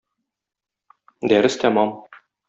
Дәрес тәмам.